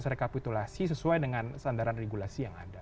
dan proses rekapitulasi sesuai dengan standaran regulasi yang ada